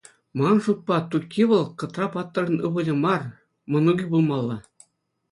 Ман шутпа, Тукки вӑл Кӑтра-паттӑрӑн ывӑлӗ мар, мӑнукӗ пулмалла.